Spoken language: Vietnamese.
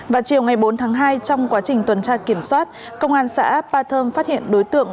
vào chiều ngày bốn tháng hai trong quá trình tuần tra kiểm soát công an xã ba thơm phát hiện đối tượng